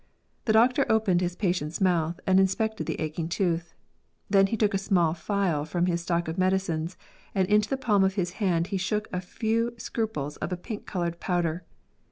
The doctor opened his patient's mouth and inspected the aching tooth; then he took a small phial from his stock of medicines, and into the palm of his hand he shook a few scruples of a pink coloured powder.